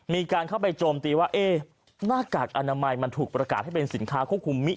มีการเข้าไปโจมตีว่าหน้ากากอนามัยมันถูกประกาศให้เป็นสินค้าควบคุมมิ